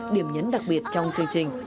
điểm nhấn đặc biệt trong chương trình